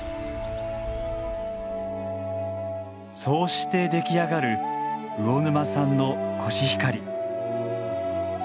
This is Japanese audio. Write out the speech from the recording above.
そうして出来上がる魚沼産のコシヒカリ。